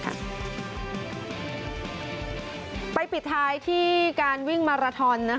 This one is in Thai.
ไปปิดท้ายที่การวิ่งมาราทอน